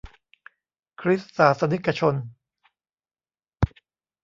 คริสต์ศาสนิกชน